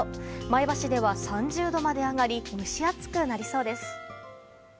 前橋では３０度まで上がり蒸し暑くなりそうです。